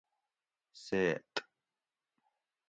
سیت